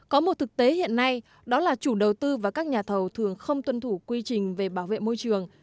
có một thực tế hiện nay đó là chủ đầu tư và các nhà thầu thường không tuân thủ quy trình về bảo vệ môi trường